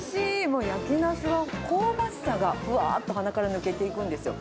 もう焼きナスは香ばしさがふわーっと鼻から抜けていくんですよ。